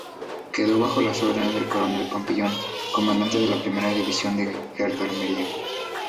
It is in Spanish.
Quedó bajo las órdenes del coronel Papillon, comandante de la primera división de gendarmería.